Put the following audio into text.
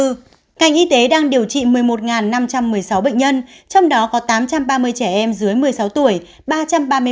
ngành y tế đang điều trị một mươi một năm trăm một mươi sáu bệnh nhân trong đó có tám trăm ba mươi trẻ em dưới một mươi sáu tuổi